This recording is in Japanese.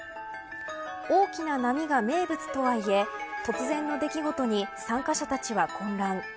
大きな波が名物とはいえ突然の出来事に参加者たちは混乱。